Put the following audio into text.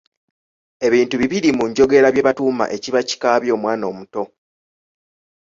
Ebintu bibiri mu njogera bye batuuma ekiba kikaabya omwana omuto.